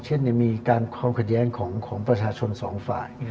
เช่นมีการความขัดแย้งของประชาชนสองฝ่าย